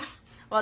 私